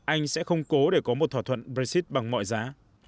anh sẽ không cố để có một thỏa thuận brexit bằng mọi giá